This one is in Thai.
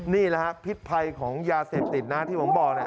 นี่แหละฮะพิษภัยของยาเสพติดนะที่ผมบอก